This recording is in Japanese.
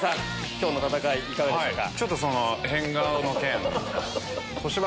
今日の戦いいかがでしたか？